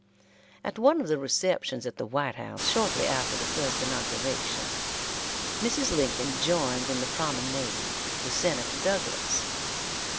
At one of the receptions at the White House, shortly after the first inauguration, Mrs. Lincoln joined in the promenade with Senator Douglas.